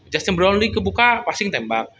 jasem brownlee kebuka passing tembak